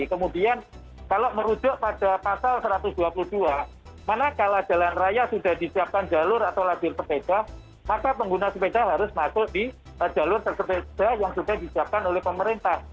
kemudian kalau merujuk pada pasal satu ratus dua puluh dua mana kalau jalan raya sudah disiapkan jalur atau labir sepeda maka pengguna sepeda harus masuk di jalur sepeda yang sudah disiapkan oleh pemerintah